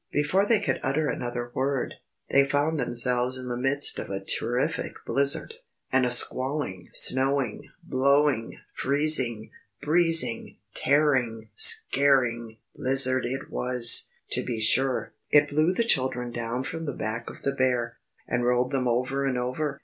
Before they could utter another word, they found themselves in the midst of a terrific blizzard. And a squalling, snowing, blowing, freezing, breezing, tearing, scaring blizzard it was, to be sure. It blew the children down from the back of the Bear, and rolled them over and over.